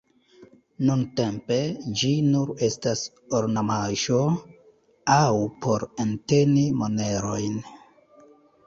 Nuntempe ĝi nur estas ornamaĵo aŭ por enteni monerojn.